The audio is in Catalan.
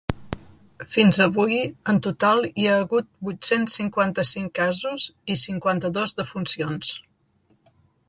Fins avui en total hi ha hagut vuit-cents cinquanta-cinc casos i cinquanta-dos defuncions.